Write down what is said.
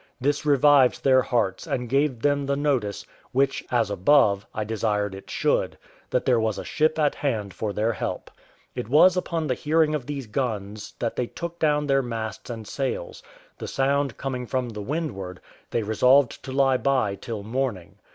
This revived their hearts, and gave them the notice, which, as above, I desired it should, that there was a ship at hand for their help. It was upon the hearing of these guns that they took down their masts and sails: the sound coming from the windward, they resolved to lie by till morning.